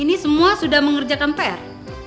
ini semua sudah mengerjakan pr